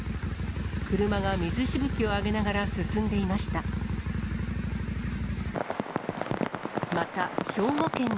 車が水しぶきを上げながら進んでいました。